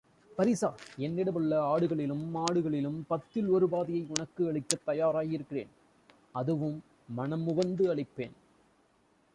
பரிசா என்னிடமுள்ள ஆடுகளிலும் மாடுகளிலும் பத்தில் ஒரு பகுதியை உனக்கு அளிக்கத் தயாராயிருக்கிறேன் அதுவும் மனமுவந்து அளிப்பேன்!